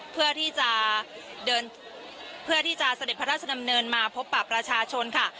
เพื่อที่จะเดินเพื่อที่จะเสด็จพระราชดำเนินมาพบปะประชาชนค่ะ